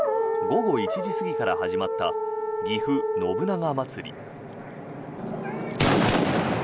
午後１時過ぎから始まったぎふ信長まつり。